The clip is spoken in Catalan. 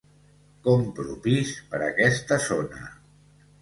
Compro pis per aquesta zona.